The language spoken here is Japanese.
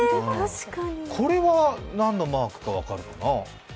これは何のマークか分かるかな？